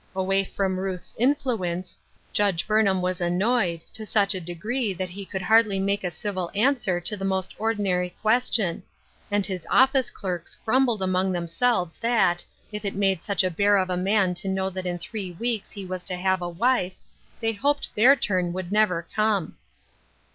Away from Ruth's influ ence, Judge Burnham was annoyed, to such a dftPTee. that he could hardly make a civil an 270 Ruth Erakine'^ Crosses, swer to the most ordinary question ; and his office clerks grumbled among themselves that, if it made such a bear of a man to know that in three weeks he was to have a wife, they hoped their turn would never come.